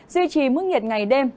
duy trì mức nhiệt ngày đêm